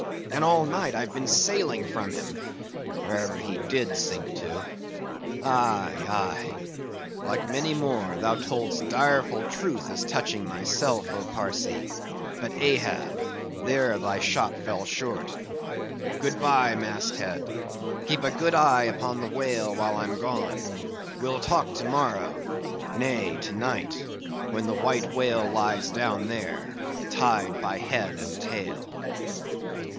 and all night I've been sailing from him, wherever he did sink to. Aye, aye, like many more thou told'st direful truth as touching thyself, O Parsee; but, Ahab, there thy shot fell short. Good bye, mast head—keep a good eye upon the whale, the while I'm gone. We'll talk to morrow, nay, to night, when the white whale lies down there, tied by head and tail."